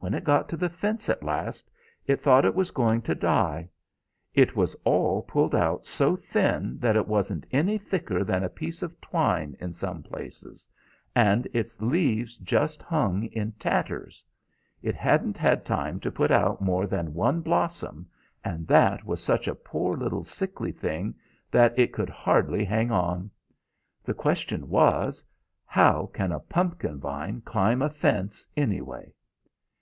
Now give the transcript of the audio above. When it got to the fence at last, it thought it was going to die. It was all pulled out so thin that it wasn't any thicker than a piece of twine in some places, and its leaves just hung in tatters. It hadn't had time to put out more than one blossom, and that was such a poor little sickly thing that it could hardly hang on. The question was, How can a pumpkin vine climb a fence, anyway?